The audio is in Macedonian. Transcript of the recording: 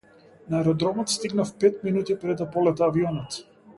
На аеродромот стигнав пет минути пред да полета авионот.